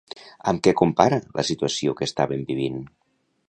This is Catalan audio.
Amb què compara la situació que estaven vivint?